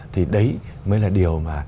thì đấy mới là điều mà